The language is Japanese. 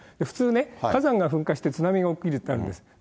普通ね、火山が噴火して、津波が起きるんです。